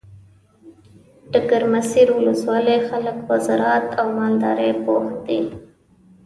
دګرمسیر ولسوالۍ خلګ په زراعت او مالدارۍ بوخت دي.